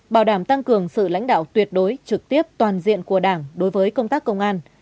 bảo đảm tăng cường sự lãnh đạo tuyệt đối trực tiếp toàn diện của đảng đối với công tác công an